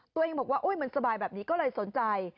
ตัวเองบอกว่ามันสบายแบบนี้ก็เลยสนใจ